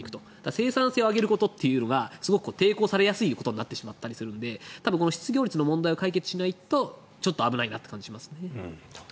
生産性を上げることがすごく抵抗されやすいことになったりするので失業率の問題を解決しないとちょっと危ないなという感じがしますね。